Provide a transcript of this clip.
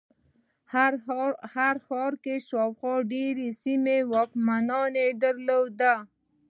هر ښار شاوخوا ډېرو سیمو واکمني درلوده.